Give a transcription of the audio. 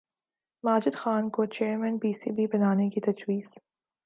ماجد خان کو chairman P C B بنانے کی تجویز